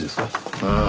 ああ。